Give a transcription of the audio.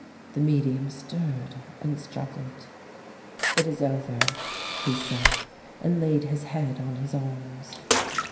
The medium stirred and struggled. "It is over," he said, and laid his head on his arms.